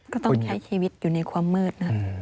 ก็ต้องใช้ชีวิตอยู่ในความมืดนะ